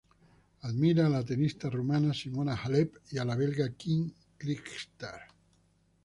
Admira a la tenista rumana Simona Halep y a la belga Kim Clijsters.